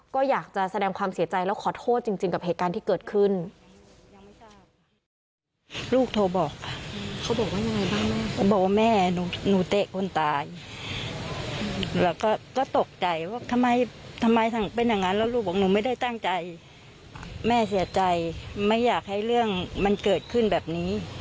ก็อยากจะแสดงความเสียใจแล้วขอโทษจริงกับเหตุการณ์ที่เกิดขึ้น